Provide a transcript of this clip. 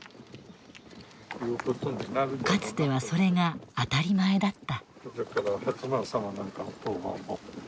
かつてはそれが当たり前だった。